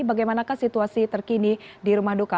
bagaimanakah situasi terkini di rumah duka